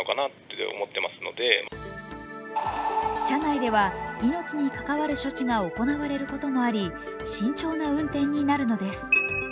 車内では命に関わる処置が行われることもあり、慎重な運転になるのです。